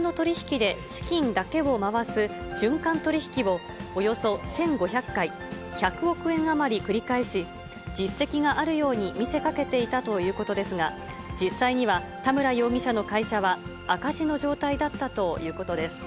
２人は２０１０年ごろから架空の取り引きで資金だけを回す循環取り引きをおよそ１５００回、１００億円余り繰り返し、実績があるように見せかけていたということですが、実際には田村容疑者の会社は赤字の状態だったということです。